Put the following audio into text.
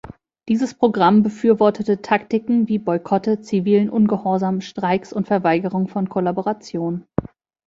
Dieses Programm befürwortete Taktiken wie Boykotte, zivilen Ungehorsam, Streiks und Verweigerung von Kollaboration.